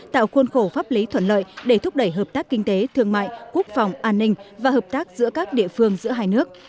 tạo khuôn khổ pháp lý thuận lợi để thúc đẩy hợp tác kinh tế thương mại quốc phòng an ninh và hợp tác giữa các địa phương giữa hai nước